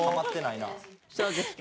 そうですか。